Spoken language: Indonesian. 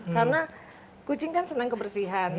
karena kucing kan senang kebersihan